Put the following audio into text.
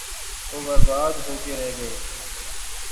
وہ برباد ہو کے رہ گئے۔